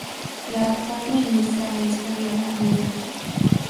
La actual ministra es Fabiola Muñoz.